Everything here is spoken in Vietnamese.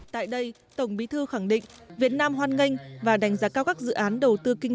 tại đây tổng bí thư khẳng định việt nam hoan nghênh và đánh giá cao các dự án đầu tư kinh